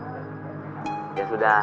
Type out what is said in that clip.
assalamualaikum dede cantik